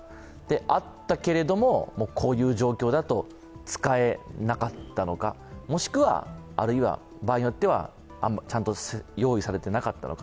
あったけれども、こういう状況だと使えなかったのか、もしくは、場合によっては用意されてなかったのか。